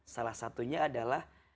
salah satunya adalah